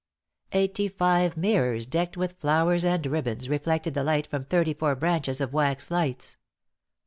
Eighty five mirrors, decked with flowers and ribbons, reflected the light from thirty four branches of wax lights.